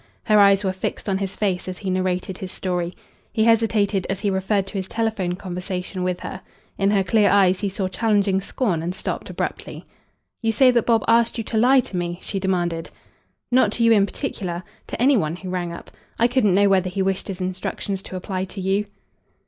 Her eyes were fixed on his face as he narrated his story. He hesitated as he referred to his telephone conversation with her. In her clear eyes he saw challenging scorn and stopped abruptly. "You say that Bob asked you to lie to me?" she demanded. "Not to you in particular. To any one who rang up. I couldn't know whether he wished his instructions to apply to you."